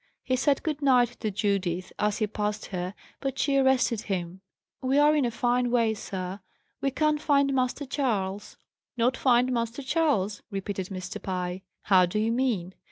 He said "Good night" to Judith, as he passed her; but she arrested him. "We are in a fine way, sir! We can't find Master Charles." "Not find Master Charles?" repeated Mr. Pye. "How do you mean?"